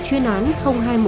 chuyên án hai mươi một t